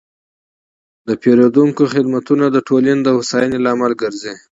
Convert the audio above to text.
د پیرودونکو خدمتونه د ټولنې د هوساینې لامل ګرځي.